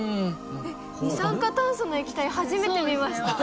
二酸化炭素の液体初めて見ました。